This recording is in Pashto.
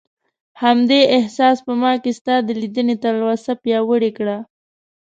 همدې احساس په ما کې ستا د لیدنې تلوسه پیاوړې کړه.